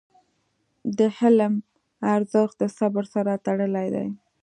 د حلم ارزښت د صبر سره تړلی دی.